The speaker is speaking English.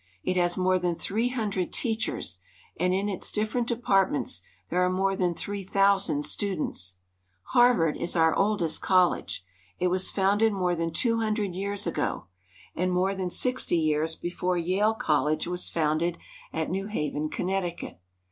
It has more than three hundred teachers, and in its different departments there are more than three thou sand students. Harvard is our oldest college. It was founded more than two hundred years ago, and more than 94 BOSTON. sixty years before Yale College was founded at New Haven, Connecticut.